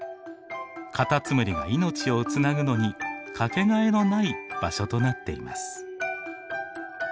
カタツムリが命をつなぐのに掛けがえのない場所となっています。